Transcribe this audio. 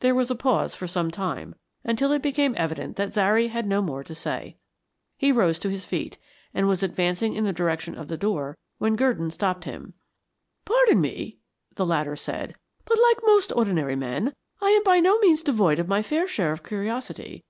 There was a pause for some time, until it became evident that Zary had no more to say. He rose to his feet, and was advancing in the direction of the door when Gurdon stopped him. "Pardon me," the latter said, "but like most ordinary men, I am by no means devoid of my fair share of curiosity.